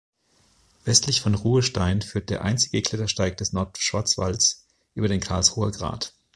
Westlich von Ruhestein führt der einzige Klettersteig des Nordschwarzwalds über den Karlsruher Grat.